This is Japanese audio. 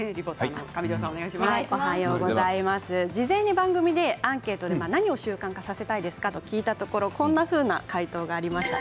事前に番組にアンケートで何を習慣化させたいですか？と聞いたところこんな回答がありました。